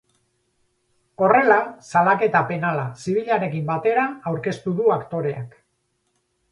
Horrela, salaketa penala zibilarekin batera aurkeztu du aktoreak.